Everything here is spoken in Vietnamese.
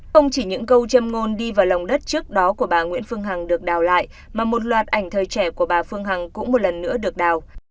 không chỉ những câu châm ngôn đi vào lòng đất trước đó của bà nguyễn phương hằng được đào lại mà một loạt ảnh thời trẻ của bà phương hằng cũng một lần nữa được đào